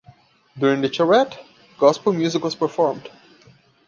During the charrette, gospel music was performed.